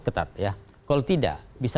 ketat ya kalau tidak bisa